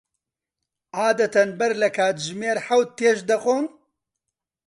عادەتەن بەر لە کاتژمێر حەوت تێشت دەخۆن؟